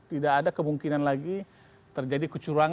maka tidak ada kemungkinan lagi terjadi kemampuan ekonomi